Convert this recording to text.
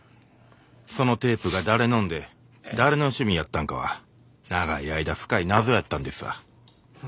そのテープが誰のんで誰の趣味やったんかは長い間深い謎やったんですわ。